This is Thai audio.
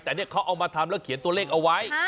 แต่นี่เขาเอามาทำแล้วเขียนตัวเลขเอาไว้